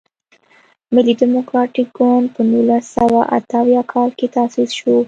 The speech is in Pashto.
ملي ډیموکراتیک ګوند په نولس سوه اته اویا کال کې تاسیس شو.